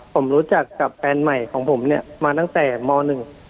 ผมรู้จักกับแฟนใหม่ของผมเนี่ยมาตั้งแต่มหนึ่ง